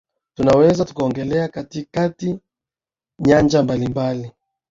tunaweza tukaongelea katika katika nyanja mbalimbali